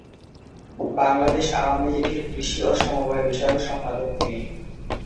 বাংলাদেশ আওয়ামী লীগের কৃষি ও সমবায় বিষয়ক সম্পাদক তিনি।